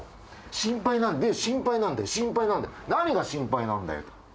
心配なんで、心配なんだ、心配なんだ、何が心配なんだよ！